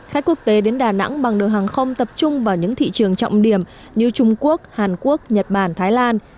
khách quốc tế đến đà nẵng bằng đường hàng không tập trung vào những thị trường trọng điểm như trung quốc hàn quốc nhật bản thái lan